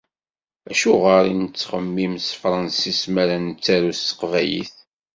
Acuɣer i nettxemmim s tefransist mi ara nettaru s teqbaylit?